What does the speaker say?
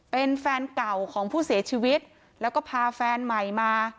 เป็นแฟนเก่าของผู้เสียชีวิตแล้วก็พาแฟนใหม่มา